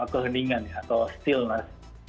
keheningan atau stillness